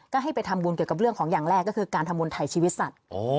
ก็ให้ไปทำบุญเกี่ยวกับเรื่องของอย่างแรกก็คือการทำบุญถ่ายชีวิตสัตว์